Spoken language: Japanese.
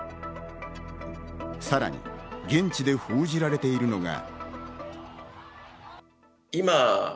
さらに現地で報じられているのが。